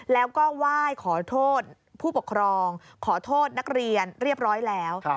แล้วก็ไหว้ขอโทษผู้ปกครองขอโทษนักเรียนเรียบร้อยแล้ว